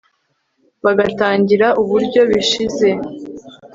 bagatangarira uburyo bishize